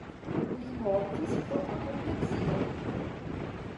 Li mortis pro apopleksio.